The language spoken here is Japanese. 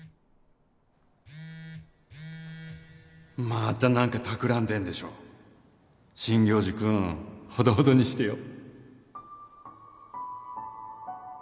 また何かたくらん真行寺君ほどほどにしてよ？